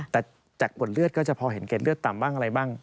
แต่จากบทเลือดก็จะพอเห็นเกร็ดเลือดต่ำบ้างอะไรบ้าง